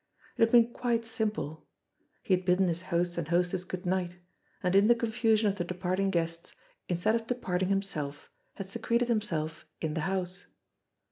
It had been quite simple. He had bidden his host and hostess good night and in the confusion of the departing guests, instead of de parting himself, had secreted himself in the house.